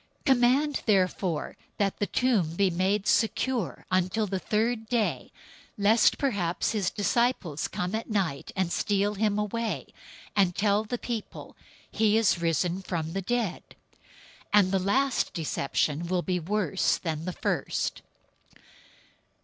027:064 Command therefore that the tomb be made secure until the third day, lest perhaps his disciples come at night and steal him away, and tell the people, 'He is risen from the dead;' and the last deception will be worse than the first."